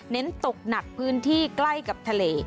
เน้นตกหนักพื้นที่ใกล้กับทะเล